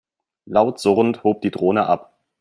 Laut surrend hob die Drohne ab.